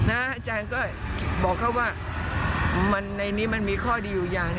อาจารย์ก็บอกเขาว่าในนี้มันมีข้อดีอยู่อย่าง